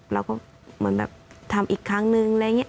เราก็เหมือนแบบทำอีกครั้งนึงอะไรอย่างนี้